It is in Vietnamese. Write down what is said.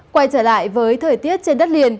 quay trở lại với thời tiết trên đất liền